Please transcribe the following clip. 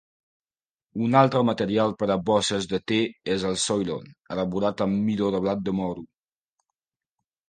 Un altre material per a bosses de te és el Soilon, elaborat amb midó de blat de moro.